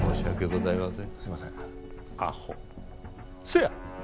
せや！